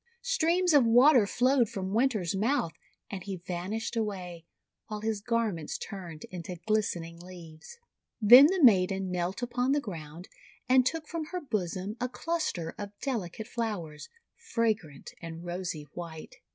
Streams of water flowed from Winter's mouth, and he van ished away, while his garments turned into glistening leaves. Then the maiden knelt upon the ground, and took from her bosom a cluster of delicate flowers, fragrant and rosy white.